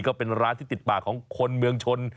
ก็เป็นร้านที่ติดปากของคนเมืองชน